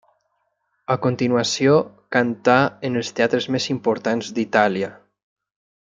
A continuació cantà en els teatres més importants d'Itàlia.